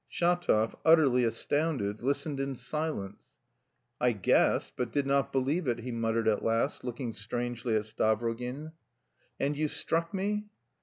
Shatov, utterly astounded, listened in silence. "I guessed, but did not believe it," he muttered at last, looking strangely at Stavrogin. "And you struck me?"